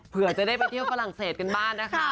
เผื่อจะได้ไปเที่ยวฝรั่งเศสกันบ้างนะคะ